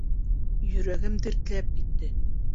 Йөрәгем тертләп китте.